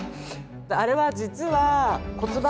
あれは実は骨盤。